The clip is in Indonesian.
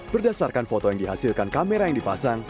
berdasarkan foto yang dihasilkan kamera yang dipasang